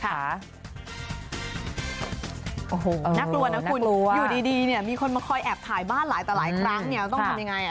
น่ากลัวนะคุณอยู่ดีมีคนมาคอยแอบถ่ายบ้านหลายครั้งต้องทำยังไง